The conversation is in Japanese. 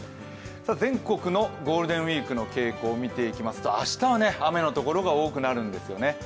全国のゴールデンウイークの傾向を見ていきますと明日は雨のところが多くなるんですよね。